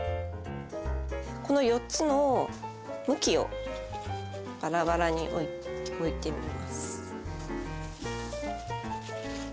この４つの向きをバラバラに置いてみます。